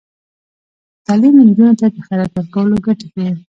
تعلیم نجونو ته د خیرات ورکولو ګټې ښيي.